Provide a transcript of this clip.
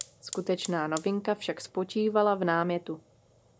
Skutečná novinka však spočívala v námětu.